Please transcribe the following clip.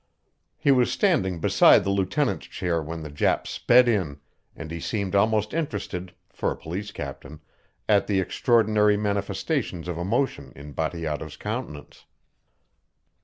He was standing beside the lieutenant's chair when the Jap sped in, and he seemed almost interested (for a police captain) at the extraordinary manifestations of emotion in Bateato's countenance.